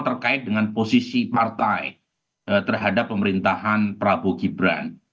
terkait dengan posisi partai terhadap pemerintahan prabowo gibran